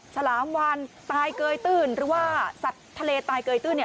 ฉลามวานตายเกยตื้นหรือว่าสัตว์ทะเลตายเกยตื้น